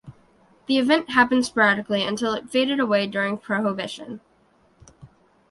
The event happened sporadically until it faded away during Prohibition.